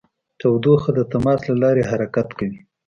تودوخه د تماس له لارې حرکت کوي.